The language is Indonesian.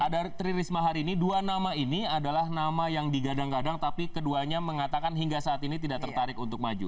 dari tri risma hari ini dua nama ini adalah nama yang digadang gadang tapi keduanya mengatakan hingga saat ini tidak tertarik untuk maju